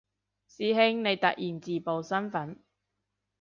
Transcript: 師兄你突然自爆身份